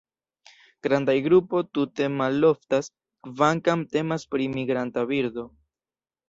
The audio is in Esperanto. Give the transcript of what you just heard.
Grandaj grupoj tute maloftas, kvankam temas pri migranta birdo.